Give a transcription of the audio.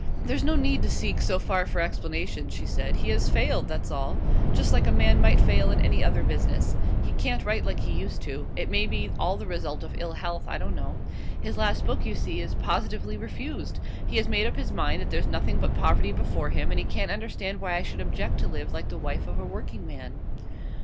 'There's no need to seek so far for explanations,' she said. 'He has failed, that's all; just like a man might fail in any other business. He can't write like he used to. It may be all the result of ill health; I don't know. His last book, you see, is positively refused. He has made up his mind that there's nothing but poverty before him, and he can't understand why I should object to live like the wife of a working man.